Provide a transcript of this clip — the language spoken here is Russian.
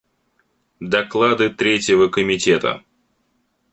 Доклады Третьего комитета.